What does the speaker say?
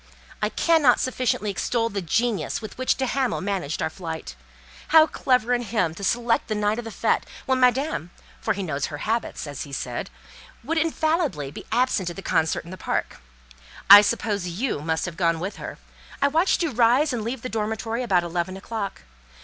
"I cannot sufficiently extol the genius with which de Hamal managed our flight. How clever in him to select the night of the fête, when Madame (for he knows her habits), as he said, would infallibly be absent at the concert in the park. I suppose you must have gone with her. I watched you rise and leave the dormitory about eleven o'clock.